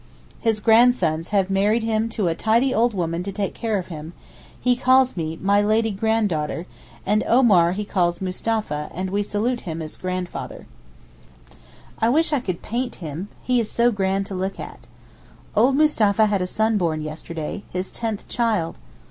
His grandsons have married him to a tidy old woman to take care of him; he calls me 'My lady grand daughter,' and Omar he calls 'Mustapha,' and we salute him as 'grandfather.' I wish I could paint him; he is so grand to look at. Old Mustapha had a son born yesterday—his tenth child.